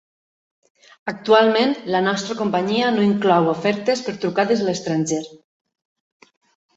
Actualment la nostra companyia no inclou ofertes per trucades a l'estranger.